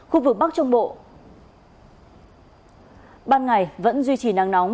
khu vực bắc trung bộ ban ngày vẫn duy trì nắng nóng